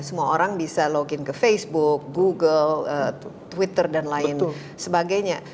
semua orang bisa login ke facebook google twitter dan lain sebagainya